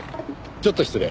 ちょっと失礼。